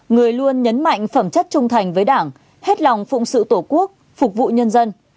người luôn nhấn mạnh phẩm chất trung thành với đảng hết lòng phụng sự tổ quốc phục vụ nhân dân